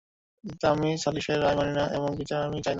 কিন্তু আমি সালিসের রায় মানি না, এমন বিচার আমি চাই না।